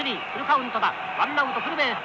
ワンナウトフルベース。